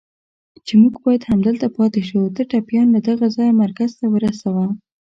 چې موږ باید همدلته پاتې شو، ته ټپيان له دغه ځایه مرکز ته ورسوه.